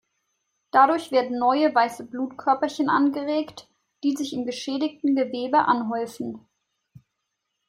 Dadurch werden neue weiße Blutkörperchen angeregt, die sich im geschädigten Gewebe anhäufen.